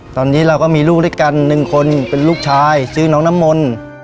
ตอนนี้เราก็มีลูกด้วยกัน๑คนเป็นลูกชายซื้อน้องน้ำมนต์